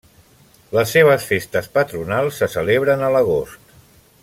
Les seves festes patronals se celebren a l'agost.